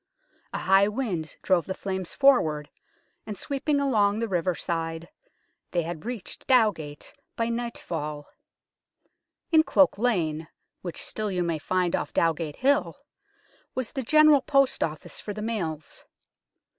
A high wind drove the flames forward, and sweeping along the riverside they had reached Dowgate by nightfall. In Cloak Lane, which still you may find off Dowgate Hill, was the General Post Office for the mails.